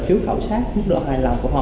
thiếu khảo sát mức độ hài lòng của họ